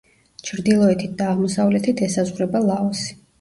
ჩრდილოეთით და აღმოსავლეთით ესაზღვრება ლაოსი.